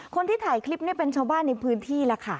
คนที่ถ่ายคลิปนี่เป็นชาวบ้านในพื้นที่แล้วค่ะ